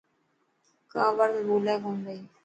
ڪاوڙ ۾ ٻولي ڪونه پئي.